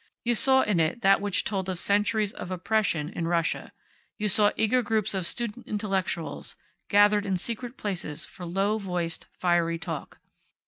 You saw in it that which told of centuries of oppression in Russia. You saw eager groups of student Intellectuals, gathered in secret places for low voiced, fiery talk.